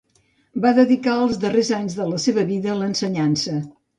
Va dedicar els darrers anys de la seva vida a l'ensenyança.